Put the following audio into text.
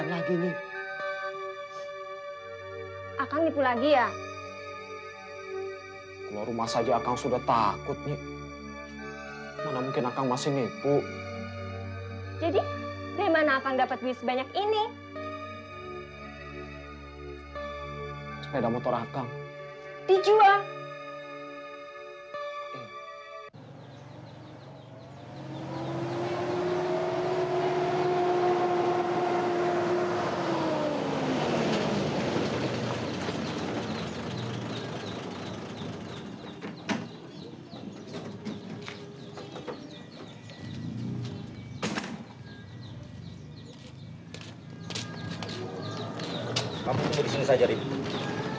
kamu tunggu disini saja rim